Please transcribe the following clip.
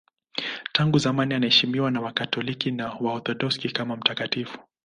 Tangu zamani anaheshimiwa na Wakatoliki na Waorthodoksi kama mtakatifu.